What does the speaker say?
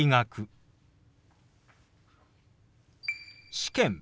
「試験」。